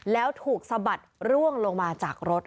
แล้วถูกสะบัดร่วงลงมาจากรถ